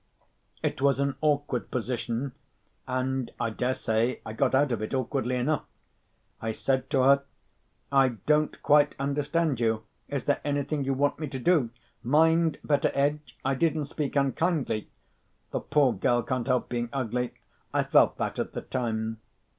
It was an awkward position; and I dare say I got out of it awkwardly enough. I said to her, 'I don't quite understand you. Is there anything you want me to do?' Mind, Betteredge, I didn't speak unkindly! The poor girl can't help being ugly—I felt that, at the time.